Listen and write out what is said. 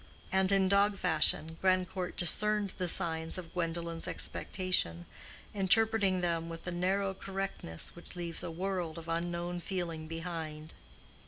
And, in dog fashion, Grandcourt discerned the signs of Gwendolen's expectation, interpreting them with the narrow correctness which leaves a world of unknown feeling behind.